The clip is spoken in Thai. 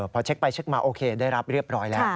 พอเช็คไปเช็คมาโอเคได้รับเรียบร้อยแล้ว